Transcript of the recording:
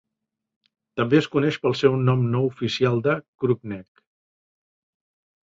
També es coneix pel seu nom no oficial de Crookneck.